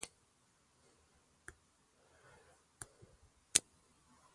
Символика и метафоры, использованные в Берсерке, подчеркивают его философский характер.